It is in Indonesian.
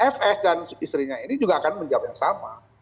fs dan istrinya ini juga akan menjawab yang sama